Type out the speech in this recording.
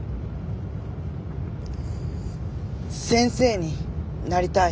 先生になりたい。